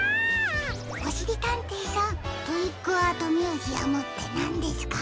おしりたんていさんトリックアートミュージアムってなんですか？